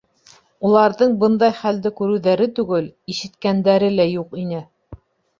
Уларҙың бындай хәлде күреүҙәре түгел, ишеткәндәре лә юҡ ине.